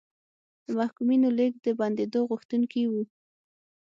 د محکومینو لېږد د بندېدو غوښتونکي وو.